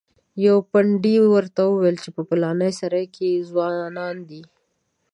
یوه پندي ورته وویل په پلانې سرای کې ځوانان دي.